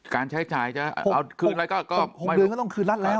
การใช้จ่าย๖เดือนก็ต้องคืนรัดแล้ว